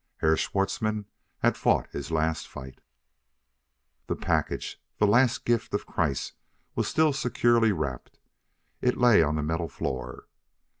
Herr Schwartzmann had fought his last fight. The package the last gift of Kreiss was still securely wrapped. It lay on the metal floor.